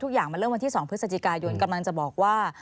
อย่างมันเริ่มวันที่๒พฤศจิกายนกำลังจะบอกว่า